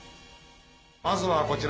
まずはこちら。